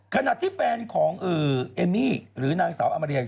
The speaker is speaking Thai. ขนาดที่แฟนของเอมี่หรือนางสาวอมริยา